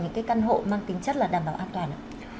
những căn hộ mang tính chất là đảm bảo an toàn